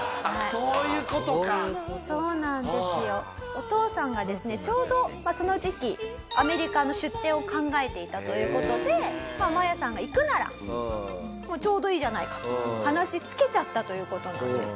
お父さんがですねちょうどその時期アメリカの出店を考えていたという事でマヤさんが行くならちょうどいいじゃないかと話つけちゃったという事なんです。